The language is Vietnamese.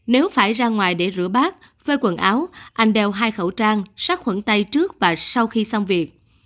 nếu phải ra ngoài để rửa bát phơi quần áo anh đeo hai khẩu trang sát khuẩn tay trước và sau khi xong việc